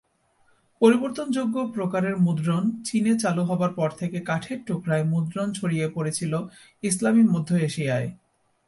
পরিবর্তনযোগ্য প্রকারের মুদ্রণ চীনে চালু হবার পর থেকে কাঠের টুকরায় মুদ্রণ ছড়িয়ে পড়েছিল ইসলামী মধ্য এশিয়ায়।